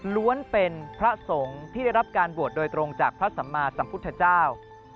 ล้วนเป็นพระสงฆ์ที่ได้รับการบวชโดยตรงจากพระสัมมาสัมพุทธเจ้า